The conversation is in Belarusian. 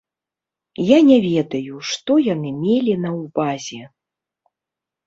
Я не ведаю, што яны мелі на ўвазе.